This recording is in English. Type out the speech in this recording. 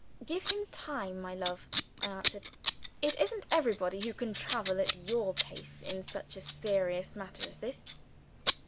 "Give him time, my love," I answered. "It isn't everybody who can travel at your pace in such a serious matter as this."